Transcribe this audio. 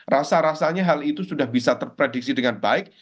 rasa rasanya hal itu sudah bisa terprediksi dengan baik